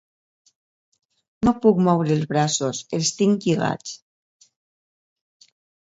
No puc moure els braços: els tinc lligats.